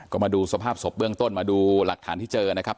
ก็มาดูสภาพศพเบื้องต้นมาดูหลักฐานที่เจอนะครับ